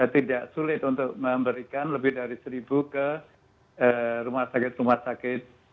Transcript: tidak sulit untuk memberikan lebih dari seribu ke rumah sakit rumah sakit